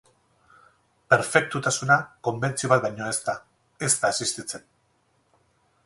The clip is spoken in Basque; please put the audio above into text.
Perfektutasuna konbentzio bat baino ez da; ez da existitzen.